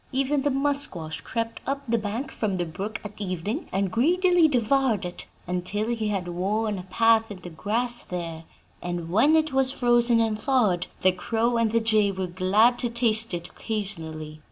Even the musquash crept up the bank from the brook at evening, and greedily devoured it, until he had worn a path in the grass there; and when it was frozen and thawed, the crow and the jay were glad to taste it occasionally.